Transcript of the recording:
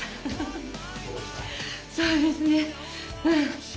そうですね。